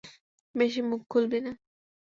বেশি মুখ খুলবি না।